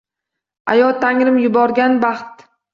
Ayo, Tangrim yuborgan baxt